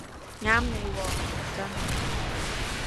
啱你喎認真